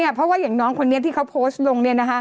เนี่ยเพราะว่ายังน้องคนนี้ที่เค้าโพสต์ลงเนี่ยนะคะ